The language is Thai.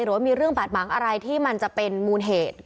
หรือว่ามีเรื่องบาดหมางอะไรที่มันจะเป็นมูลเหตุ